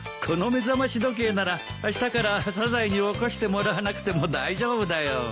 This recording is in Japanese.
この目覚まし時計ならあしたからサザエに起こしてもらわなくても大丈夫だよ。